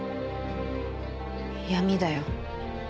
闇だよ。